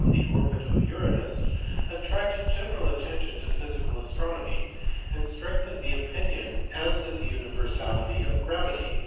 the orbit of Uranus attracted general attention to physical astronomy, and strengthened the opinion as to the universality of gravity.